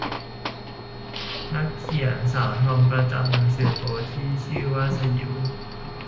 นักเขียนสาวทอมประจำหนังสือโป๊ที่ชื่อว่าสยิว